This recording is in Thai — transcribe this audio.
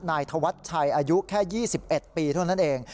นายธวัชชัยอายุแค่๒๑ปีเท่านั้นเอง